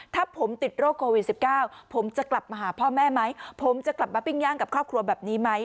ถ้าผมติดโรคโควิด๑๙ผมจะกลับมาหาพ่อแม่ไหมผมจะกลับมาปิ้งย่างกับครอบครัวแบบนี้ไหม